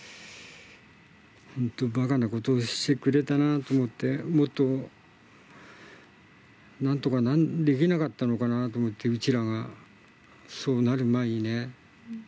本当、ばかなことをしてくれたなと思って、もっと、なんとかできなかったのかなと思って、うちらが、そうなる前にね。